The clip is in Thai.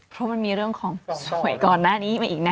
เพราะมันมีเรื่องของป่วยก่อนหน้านี้มาอีกนะ